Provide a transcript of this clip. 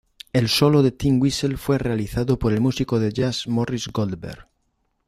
El solo de "tin whistle" fue realizado por el músico de jazz Morris Goldberg.